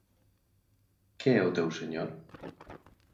Que é o teu Señor?